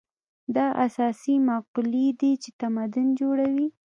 دا اساسي مقولې دي چې تمدن جوړوي.